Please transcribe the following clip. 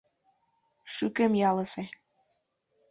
— Шӱкем ялысе...